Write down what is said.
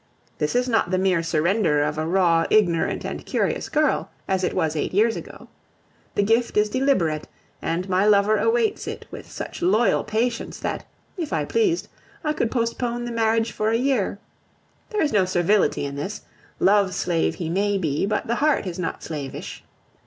This is not the mere surrender of a raw, ignorant, and curious girl, as it was eight years ago; the gift is deliberate, and my lover awaits it with such loyal patience that, if I pleased, I could postpone the marriage for a year. There is no servility in this; love's slave he may be, but the heart is not slavish.